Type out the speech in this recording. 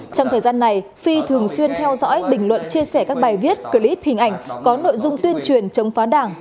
trong thời gian này phi thường xuyên theo dõi bình luận chia sẻ các bài viết clip hình ảnh có nội dung tuyên truyền chống phá đảng